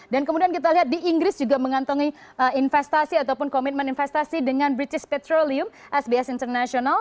dan kemudian kita lihat di inggris juga mengantungi investasi ataupun komitmen investasi dengan british petroleum sbs international